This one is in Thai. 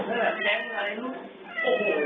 นี่ก็คือเหตุการณ์ที่เกิดขึ้นนะคะ